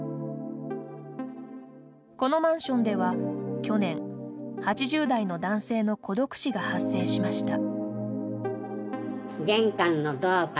このマンションでは去年、８０代の男性の孤独死が発生しました。